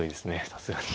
さすがに。